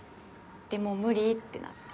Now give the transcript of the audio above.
でもう無理ってなって。